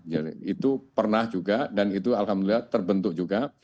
jadi itu pernah juga dan itu alhamdulillah terbentuk juga